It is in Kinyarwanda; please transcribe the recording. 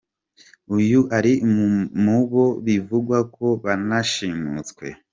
Uyu ari mu bo bivugwa ko banashimuswe.